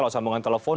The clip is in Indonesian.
lalu sambungan telepon